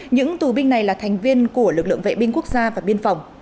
những tù binh này là thành viên của lực lượng vệ binh quốc gia và biên phòng